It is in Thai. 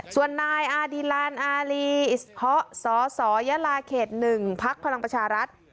ส่วนนายอาดิลานอารีศสยข๑พักพลังประชารัฐ